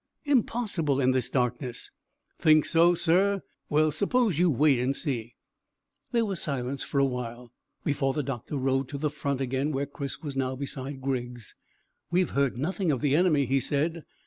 Impossible in this darkness." "Think so, sir? Well, suppose you wait and see." There was silence for awhile, before the doctor rode to the front again to where Chris was now beside Griggs. "We have heard nothing of the enemy," he said.